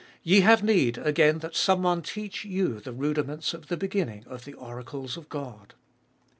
Ye have need again that some one teach you the rudiments of the beginning of the oracles of God.